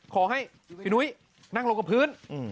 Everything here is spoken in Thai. ขอให้พี่นุ้ยนั่งลงกับพื้น